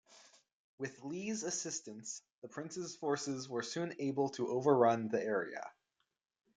With Li's assistance the Prince's forces were soon able to overrun the area.